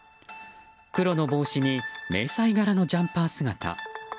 黒の帽子に迷彩柄のジャンパー姿。